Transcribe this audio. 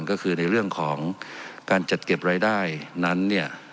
ก็คือในเรื่องของการจัดเก็บรายได้นั้นเนี่ย